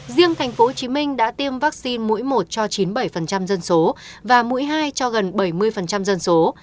riêng tp hcm đã tiêm vaccine mũi một cho chín mươi bảy dân số và mũi hai cho gần bảy mươi dân số